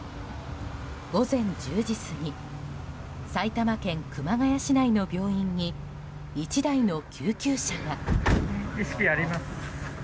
午前１０時過ぎ埼玉県熊谷市内の病院に１台の救急車が。